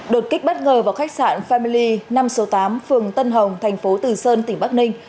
đột kích bất ngờ vào khách sạn family năm số tám phường tân hồng thành phố từ sơn tỉnh bắc ninh